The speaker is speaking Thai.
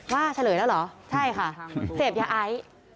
เฉลยแล้วเหรอใช่ค่ะเสพยาไอ